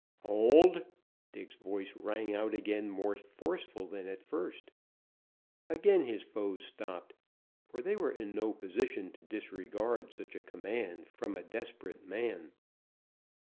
"Hold!" Dick's voice rang out again, more forceful than at first. Again his foes stopped, for they were in no position to disregard such a command from a desperate man.